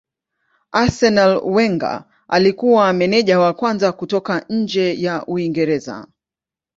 Arsenal Wenger alikuwa meneja wa kwanza kutoka nje ya Uingereza.